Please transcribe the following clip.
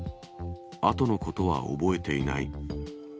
あとのことは覚えていない。